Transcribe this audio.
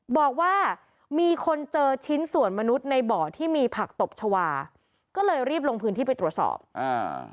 บอกว่ามีคนเจอชิ้นส่วนมนุษย์ในบ่อที่มีผักตบชาวาก็เลยรีบลงพื้นที่ไปตรวจสอบอ่า